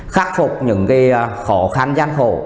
khắc phục những khó khăn gian khổ